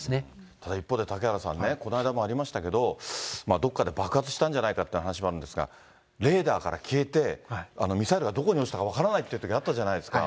ただ一方で、嵩原さんね、この間もありましたけど、どこかで爆発したんじゃないかって話もあるんですが、レーダーから消えて、ミサイルがどこに落ちたか分からないっていうときあったじゃないですか。